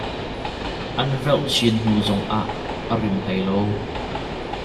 An velh chin hnu zongah a rim hlei lo.